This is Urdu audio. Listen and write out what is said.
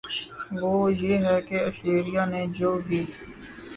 وہ یہ ہے کہ ایشوریا نے جو بھی